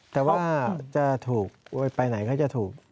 แต่ว่าจะถูกไปไหนก็จะถูก